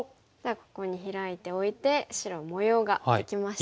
ここにヒラいておいて白は模様ができましたね。